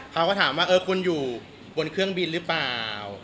เขาก็ถามว่าคุณอยู่บนเครื่องบินหรือเปล่า